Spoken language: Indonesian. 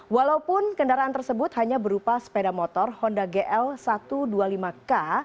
walaupun kendaraan tersebut hanya berupa sepeda motor honda gl satu ratus dua puluh lima k